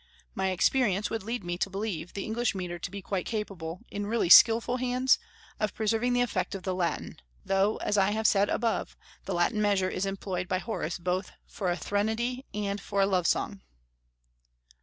My experience would lead me to believe the English metre to be quite capable, in really skilful hands, of preserving the effect of the Latin, though, as I have said above, the Latin measure is employed by Horace both for a threnody and for a love song.